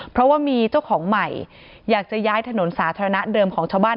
เพราะว่ามีเจ้าของใหม่อยากจะย้ายถนนสาธารณะเดิมของชาวบ้าน